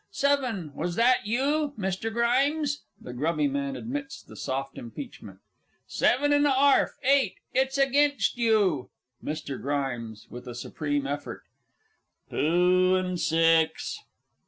Seven! Was that you, MR. GRIMES? (THE GRUBBY MAN admits the soft impeachment.) Seven and a 'arf. Eight! It's against you. MR. GRIMES (with a supreme effort). Two and six!